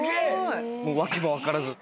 もう訳も分からず。